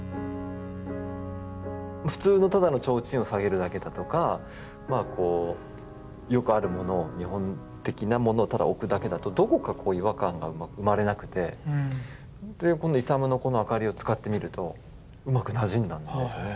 普通のただの提灯を下げるだけだとかよくあるもの日本的なものをただ置くだけだとどこかこう違和感が生まれなくてイサムのあかりを使ってみるとうまくなじんだんですよね。